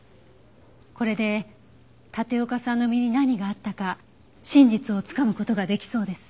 これで立岡さんの身に何があったか真実をつかむ事ができそうです。